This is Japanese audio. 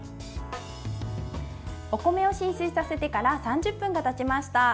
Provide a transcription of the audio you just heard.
お米を浸水させてから３０分がたちました。